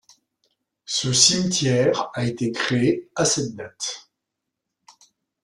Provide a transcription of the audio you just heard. Ce cimetière a été créée à cette date.